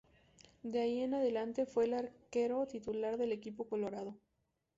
De ahí en adelante fue el arquero titular del equipo colorado.